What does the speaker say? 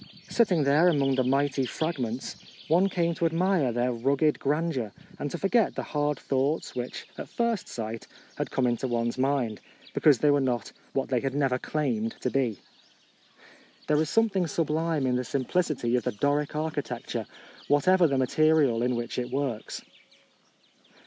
Sitting there among the mighty fragments, one came to admire their rugged grand eur and to forget the hard thoughts which, at first sight, had come into one's mind, because they were not what they had never claimed to be. There is something sublime in the simplicity of the Doric architecture, whatever the material in which it works.